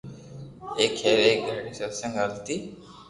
ايڪ ھير ايڪ گھري ستسينگ ھالتي